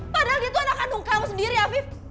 padahal dia tuh anak kandung kamu sendiri afif